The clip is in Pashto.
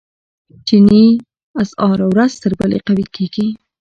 چیني اسعار ورځ تر بلې قوي کیږي.